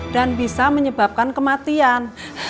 dan bisa menyebabkan kematian